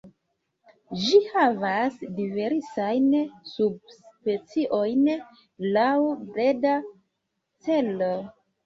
Ĝi havas diversajn subspeciojn laŭ breda celo.